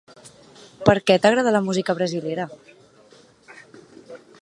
Per què t’agrada la música brasilera?